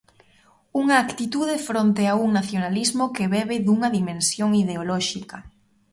"Unha actitude fronte a un nacionalismo que bebe dunha dimensión ideolóxica".